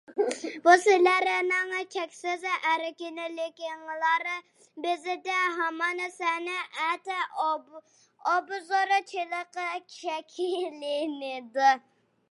بۇ سىلەرنىڭ چەكسىز ئەركىنلىكىڭلار. بىزدە ھامان سەنئەت ئوبزورچىلىقى شەكىللىنىدۇ.